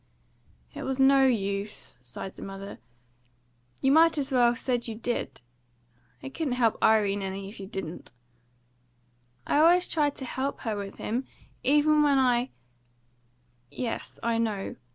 "It was no use," sighed the mother. "You might as well said you did. It couldn't help Irene any, if you didn't." "I always tried to help her with him, even when I " "Yes, I know.